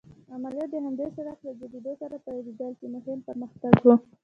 عملیات د همدې سړک له جوړېدو سره پيلېدل چې مهم پرمختګ و.